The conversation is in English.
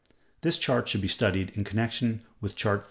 This chart should be studied in connection with Chart No.